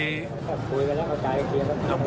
กลับคุยกับทางเขต